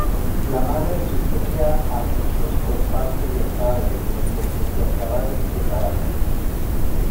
La madre sufría abusos por parte del padre, por lo que se acabaron separando.